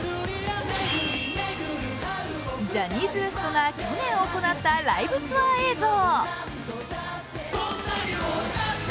ジャニーズＷＥＳＴが去年行ったライブツアー映像。